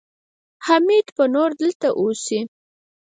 حميد به نور دلته اوسي.